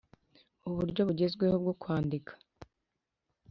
uburyo bugezweho bwo kwandika